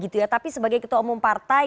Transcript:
tapi sebagai ketua umum partai